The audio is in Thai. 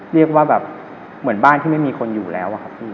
เรียกว่าแบบเหมือนบ้านที่ไม่มีคนอยู่แล้วอะครับพี่